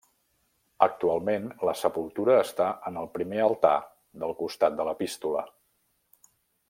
Actualment la sepultura està en el primer altar del costat de l'Epístola.